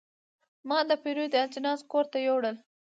ما د پیرود اجناس کور ته یوړل.